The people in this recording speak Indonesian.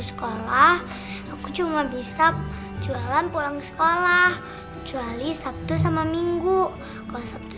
sekolah aku cuma bisa jualan pulang sekolah kecuali sabtu sama minggu kalau sabtu